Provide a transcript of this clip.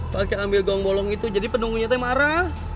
pake ambil gong bolong itu jadi penunggunya temarah